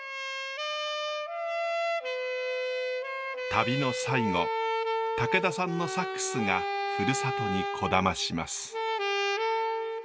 旅の最後武田さんのサックスがふるさとにこだまします。